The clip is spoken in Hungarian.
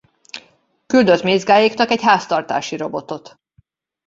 Küldött Mézgáéknak egy háztartási robotot.